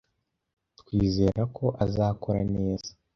Twizera ko azakora neza.